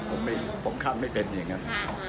ผมคาดไม่เป็นอย่างนั้น